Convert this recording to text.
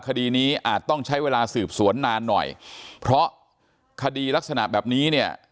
คดีนี้อาจต้องใช้เวลาสืบสวนนานหน่อยเพราะคดีลักษณะแบบนี้เนี่ย